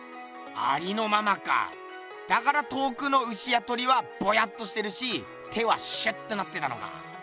ありのままかだから遠くの牛や鳥はぼやっとしてるし手はシュッとなってたのか。